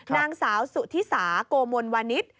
นางสาวสุธิสาโกมลวานิส